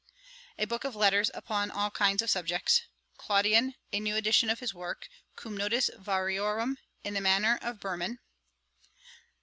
'A book of Letters, upon all kinds of subjects. 'Claudian, a new edition of his works, cum notis variorum, in the manner of Burman.